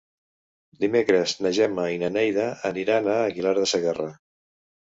Dimecres na Gemma i na Neida aniran a Aguilar de Segarra.